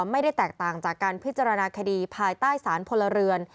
ไม่ได้แตกต่างจากการพิจารณาคดีภายใต้สารพลเรือน